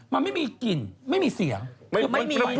มันไม่มีกลิ่นไม่มีเสียง